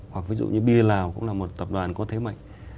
hoặc ví dụ như bia lào cũng là một tập đoàn có thế mạnh